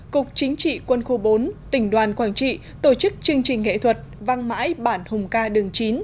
cục chính trị quân khu bốn tỉnh đoàn quảng trị tổ chức chương trình nghệ thuật vang mãi bản hùng ca đường chín